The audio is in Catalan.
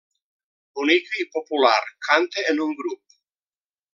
Bonica i popular, canta en un grup.